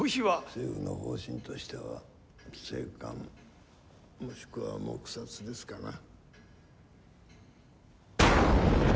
政府の方針としては静観もしくは黙殺ですかな。